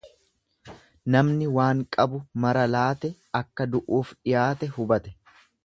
Namni waan qabu mara laate akka du'uuf dhiyaate hubate.